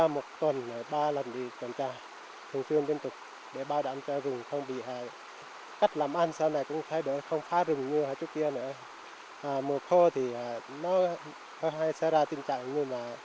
mà mùa khô thì nó hay xảy ra tình trạng như là